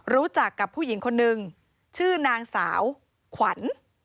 รู้จักกับผู้หญิงคนนึงชื่อนางสาวขวัญ